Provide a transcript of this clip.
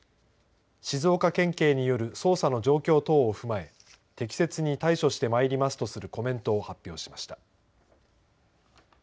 静岡県警による捜査の状況等を踏まえ適切に対処してまいりますとするコメントを発表しました。